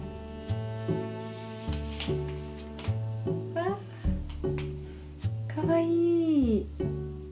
わあかわいい。